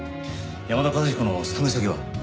山田和彦の勤め先は？